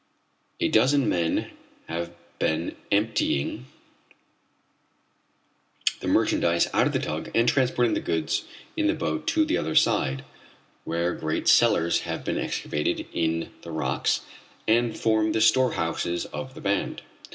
A dozen men have been emptying the merchandise out of the tug and transporting the goods in boats to the other side, where great cellars have been excavated in the rocks and form the storehouses of the band.